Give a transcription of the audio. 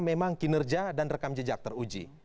memang kinerja dan rekam jejak teruji